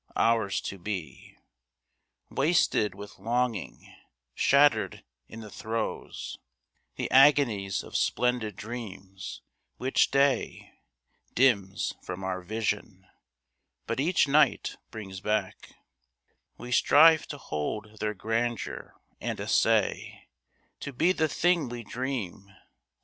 Ours to be Wasted with longing, shattered in the throes, The agonies of splendid dreams, which day Dims from our vision, but each night brings back; We strive to hold their grandeur, and essay To be the thing we dream.